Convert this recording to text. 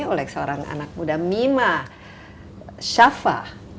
oleh seorang anak muda mima shafa